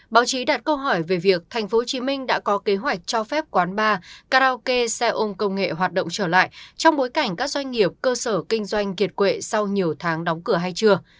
báo chí đặt câu hỏi về việc tp hcm đã có kế hoạch cho phép quán bar karaoke xe ôm công nghệ hoạt động trở lại trong bối cảnh các doanh nghiệp cơ sở kinh doanh kiệt quệ sau nhiều tháng đóng cửa hay chưa